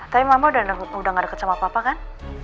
tapi mama udah gak deket sama papa kan